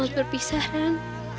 saat berpisah ran